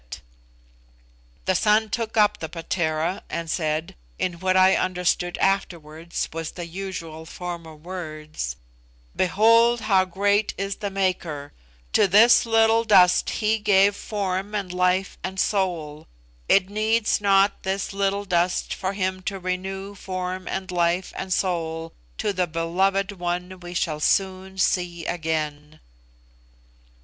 The son took up the 'patera' and said (in what I understood afterwards was the usual form of words), "Behold how great is the Maker! To this little dust He gave form and life and soul. It needs not this little dust for Him to renew form and life and soul to the beloved one we shall soon see again."